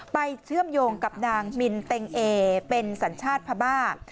เชื่อมโยงกับนางมินเต็งเอเป็นสัญชาติพม่า